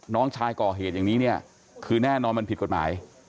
น้องชายก่อเหตุอย่างนี้เนี่ยคือแน่นอนมันผิดกฎหมาย